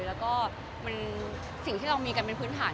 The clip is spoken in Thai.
แล้วก็สิ่งที่เรามีกันเป็นพื้นฐาน